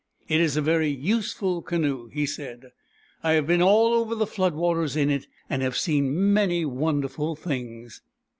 " It is a very useful canoe," he said. " I have been all over the flood waters in it, and have seen many wonderful things."